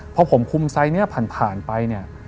พอผมคุมไซส์นี้ผ่านไปเนี่ย